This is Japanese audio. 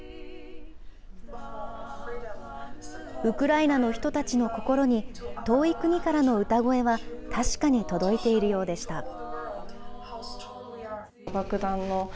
ウクライナの人たちの心に、遠い国からの歌声は確かに届いているようでした。